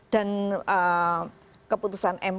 dan keputusan mpr